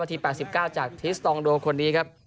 ที๘๙จากทิสตองโดคนนี้ครับ